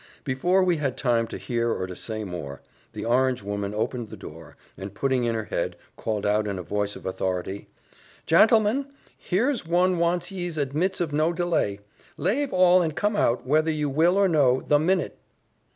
Before we had time to hear or to say more, the orange woman opened the door, and putting in her head, called out in a voice of authority, "Jantlemen, here's one wants yees, admits of no delay; lave all and come out, whether you will or no, the minute."